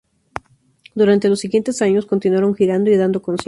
Durante los siguientes años continuaron girando y dando conciertos.